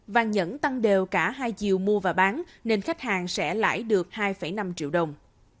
vàng nhẫn tăng đều cả hai chiều mua và bán nên khách hàng sẽ lãi được hai năm triệu đồng